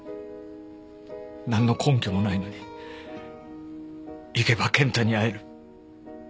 なんの根拠もないのに行けば健太に会える。